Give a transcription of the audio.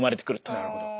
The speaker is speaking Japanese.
なるほど。